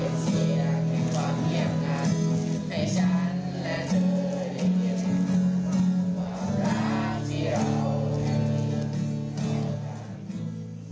อยากให้ความเฮียบกันให้ฉันและเธอได้ยินความรักที่เราอยู่กัน